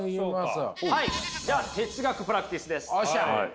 じゃあ哲学プラクティスです。